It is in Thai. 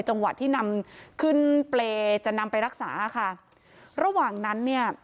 จังหวะที่นำขึ้นเปรย์จะนำไปรักษาค่ะระหว่างนั้นเนี่ย